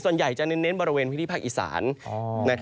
ส่วนใหญ่จะเน้นบริเวณพื้นที่ภาคอีสาน